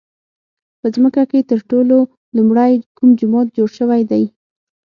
په ځمکه کې تر ټولو لومړی کوم جومات جوړ شوی دی؟